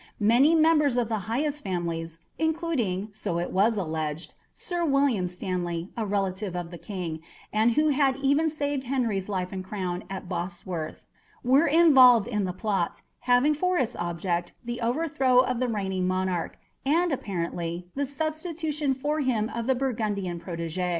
Many members of the highest families, including, so it was alleged, Sir William Stanley, a relative of the King, and who had even saved Henry's life and crown at Bosworth, were involved in a plot, having for its object the overthrow of the reigning monarch, and, apparently, the substitution for him of the Burgundian protégé.